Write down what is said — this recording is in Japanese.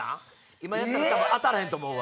今やったら当たらへんと思うわ。